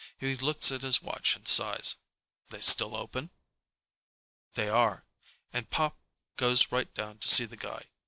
He looks at his watch and sighs. "They still open?" They are, and Pop goes right down to see the guy.